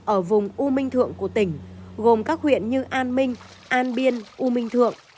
ở vùng u minh thượng của tỉnh gồm các huyện như an minh an biên u minh thượng